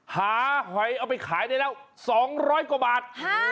หอยเอาไปขายได้แล้ว๒๐๐กว่าบาท